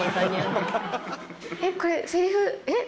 えっこれセリフえっ？みたいな。